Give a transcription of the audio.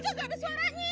kakak bisa manjat